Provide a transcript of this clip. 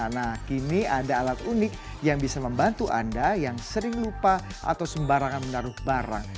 nah kini ada alat unik yang bisa membantu anda yang sering lupa atau sembarangan menaruh barang